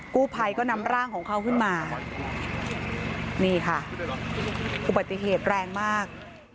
กู้ภัยก็นำร่างของเขาขึ้นมานี่ค่ะอุบัติเหตุแรงมาก